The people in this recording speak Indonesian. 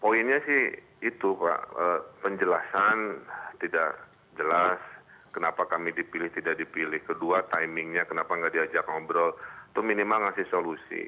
poinnya sih itu pak penjelasan tidak jelas kenapa kami dipilih tidak dipilih kedua timingnya kenapa nggak diajak ngobrol itu minimal ngasih solusi